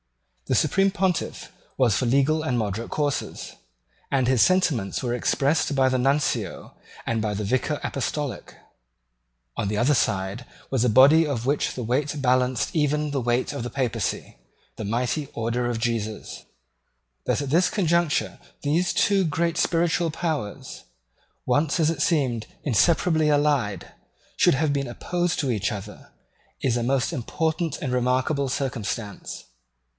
The Supreme Pontiff was for legal and moderate courses; and his sentiments were expressed by the Nuncio and by the Vicar Apostolic. On the other side was a body of which the weight balanced even the weight of the Papacy, the mighty Order of Jesus. That at this conjuncture these two great spiritual powers, once, as it seemed, inseparably allied, should have been opposed to each other, is a most important and remarkable circumstance.